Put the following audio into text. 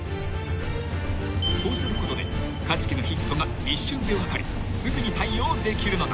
［こうすることでカジキのヒットが一瞬で分かりすぐに対応できるのだ］